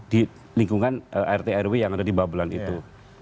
di lingkungan rt rw yang ada di babelan itu